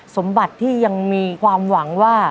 สมบัติที่ยังมีความหวังว่า